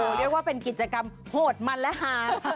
โอ้โฮเรียกว่าเป็นกิจกรรมโหดมันแล้วค่ะ